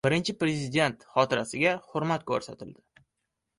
Birinchi Prezident xotirasiga hurmat ko‘rsatildi